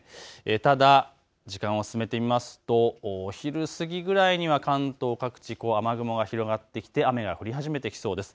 ただ、時間を進めてみますとお昼過ぎぐらいには関東各地、雨雲が広がってきて雨が降り始めてきそうです。